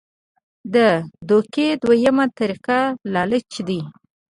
د دوکې دویمه طريقه لالچ دے -